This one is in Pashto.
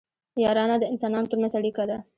یارانه د انسانانو ترمنځ اړیکه ده